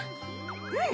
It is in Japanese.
うん！